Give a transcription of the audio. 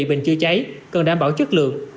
bình chữa cháy cần đảm bảo chất lượng